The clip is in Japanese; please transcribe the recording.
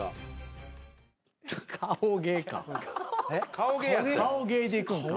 顔芸でいくんか。